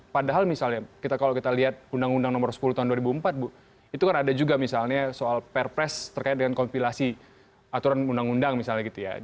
padahal misalnya kalau kita lihat undang undang nomor sepuluh tahun dua ribu empat bu itu kan ada juga misalnya soal perpres terkait dengan kompilasi aturan undang undang misalnya gitu ya